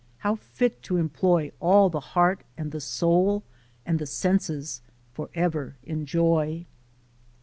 how fit to employ All the heart and the soul and the senses forever in joy."